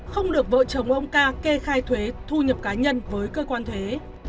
không được vợ chồng ông ca kê khai thuế thu nhập cá nhân với cơ quan thuế